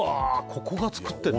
ここが造ってんの？